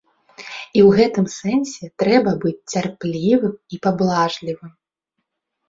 І ў гэтым сэнсе трэба быць цярплівым і паблажлівым.